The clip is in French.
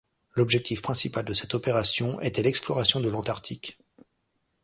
L'objectif principal de cette opération était l'exploration de l'Antarctique.